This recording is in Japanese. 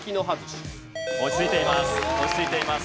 落ち着いています。